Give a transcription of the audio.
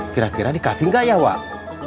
kira kira dikasih gak ya wah